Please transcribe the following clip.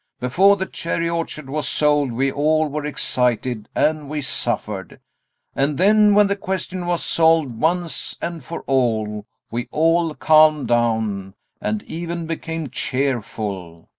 Before the cherry orchard was sold we all were excited and we suffered, and then, when the question was solved once and for all, we all calmed down, and even became cheerful.